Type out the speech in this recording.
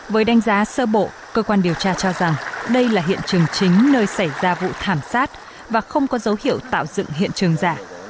với đánh giá sơ bộ cơ quan điều tra cho rằng đây là hiện trường chính nơi xảy ra vụ thảm sát và không có dấu hiệu tạo dựng hiện trường giả